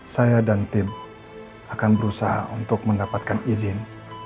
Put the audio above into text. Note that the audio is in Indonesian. saya dan tim akan berusaha untuk mendapatkan izin